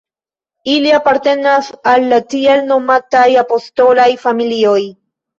Ili apartenas al la tiel nomataj apostolaj familioj.